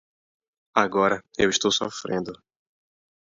Agora estou sofrendo